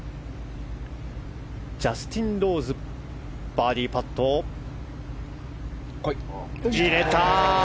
ジャスティン・ローズバーディーパット、入れた！